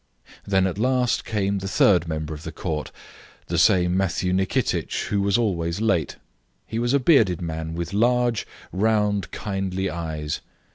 Then at last came the third member of the Court, the same Matthew Nikitich, who was always late. He was a bearded man, with large, round, kindly eyes.